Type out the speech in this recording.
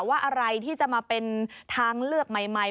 อะไรที่จะมาเป็นทางเลือกใหม่